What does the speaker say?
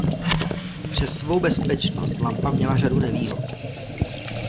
Přes svou bezpečnost lampa měla řadu nevýhod.